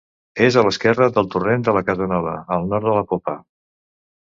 És a l'esquerra del torrent de la Casanova, al nord de la Popa.